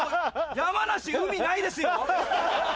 山梨海ないですよ。